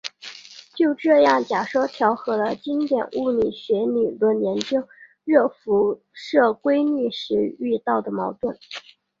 这样的假说调和了经典物理学理论研究热辐射规律时遇到的矛盾。